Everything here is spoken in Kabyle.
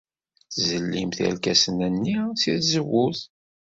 Tzellimt irkasen-nni seg tzewwut.